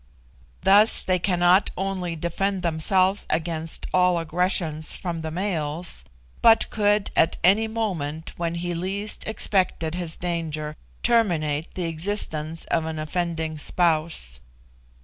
Thus they cannot only defend themselves against all aggressions from the males, but could, at any moment when he least expected his danger, terminate the existence of an offending spouse.